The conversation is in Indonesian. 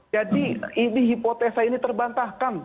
jadi ini hipotesa ini terbantahkan